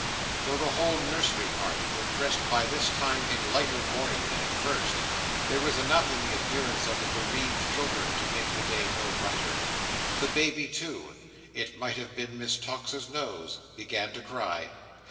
Though the whole nursery party were dressed by this time in lighter mourning than at first, there was enough in the appearance of the bereaved children to make the day no brighter. The baby too—it might have been Miss Tox's nose—began to cry.